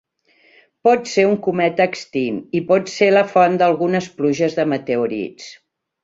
Pot ser un cometa extint, i pot ser la font d'algunes pluges de meteorits.